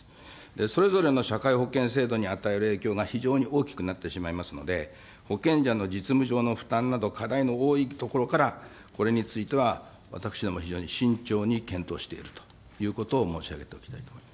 それぞれの社会保険制度に与える影響が、非常に大きくなってしまいますので、保険者の実務上の負担など、課題の多いところから、これについては私ども、非常に慎重に検討しているということを申し上げておきたいと思い